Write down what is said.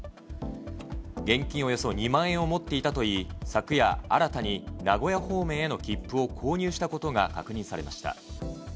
現金およそ２万円を持っていたといい、昨夜、新たに名古屋方面への切符を購入したことが確認されました。